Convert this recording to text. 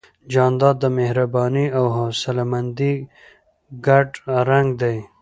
جانداد د مهربانۍ او حوصلهمندۍ ګډ رنګ دی.